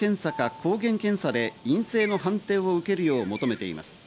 抗原検査で陰性の判定を受けるよう求めています。